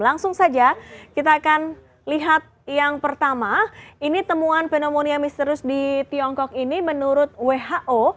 langsung saja kita akan lihat yang pertama ini temuan pneumonia misterius di tiongkok ini menurut who